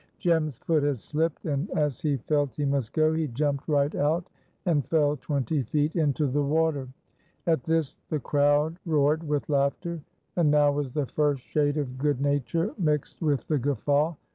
Jem's foot had slipped, and, as he felt he must go, he jumped right out, and fell twenty feet into the water. At this the crowd roared with laughter, and now was the first shade of good nature mixed with the guffaw.